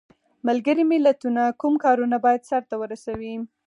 ملګرو ملتونو کوم کارونه باید سرته ورسوي؟